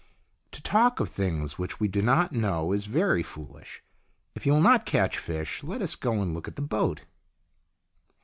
To talk of things which we do not know is very foolish. If you will not catch fish, let us go and look at the boat."